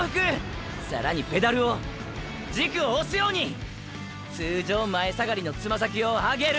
更にペダルを軸を押すように通常前下がりのつま先を上げる！！